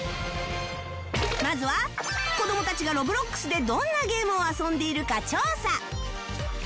まずは子どもたちが Ｒｏｂｌｏｘ でどんなゲームを遊んでいるか調査